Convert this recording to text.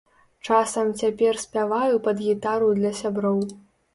Часам цяпер спяваю пад гітару для сяброў.